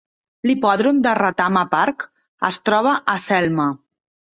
L'hipòdrom de Retama Park es troba a Selma.